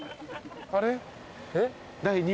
あれ？